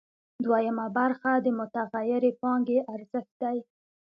دویمه برخه د متغیرې پانګې ارزښت دی